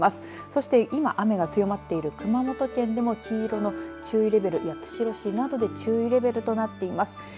そして今、雨が強まっている熊本県でも黄色の注意レベルや八代市などで注意レベルとなっています。